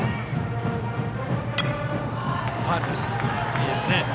いいですね。